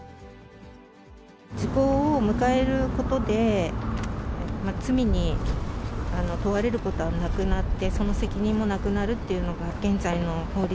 時効を迎えることで、罪に問われることがなくなって、その責任もなくなるっていうのが現在の法律。